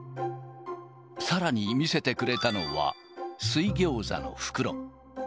さらに見せてくれたのは、水ギョーザの袋。